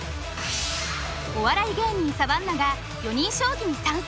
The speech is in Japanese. お笑い芸人サバンナが４人将棋に参戦！